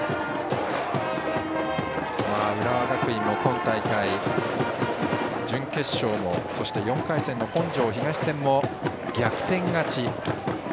浦和学院も今大会準決勝もそして４回戦の本庄東戦も逆転勝ち。